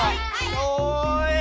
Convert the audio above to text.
おい！